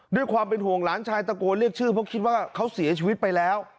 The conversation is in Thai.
ด้วยความเป็นห่วงหลานชายตะโกนเรียกชื่อเพราะคิดว่าเขาเสียชีวิตไปแล้ว